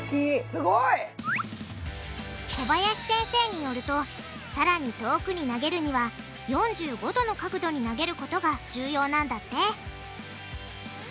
すごい！小林先生によるとさらに遠くに投げるには４５°の角度に投げることが重要なんだって